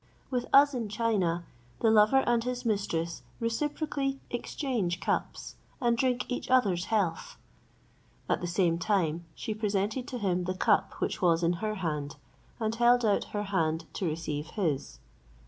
With us in China the lover and his mistress reciprocally exchange cups, and drink each other's health." At the same time she presented to him the cup which was in her hand, and held out her hand to receive his.